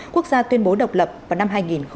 quốc gia tuyên bố độc lập vào năm hai nghìn tám